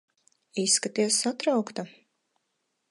Izskaties satraukta.